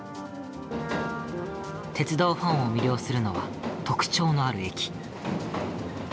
鉄道ファンを魅了するのは特徴のある駅。